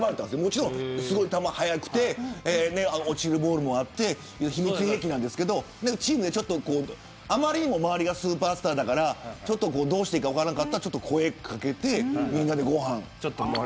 もちろん球が速くて落ちるボールもあって秘密兵器なんですけどあまりにも周りがスーパースターだからどうしていいか分からなかったら声を掛けてみんなでご飯。